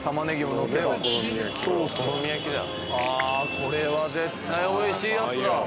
これは絶対おいしいやつだ。